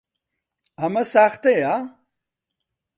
ئەمە ساختەیە؟